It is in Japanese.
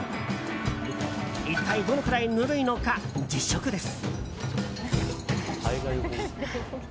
一体どのくらいぬるいのか実食です。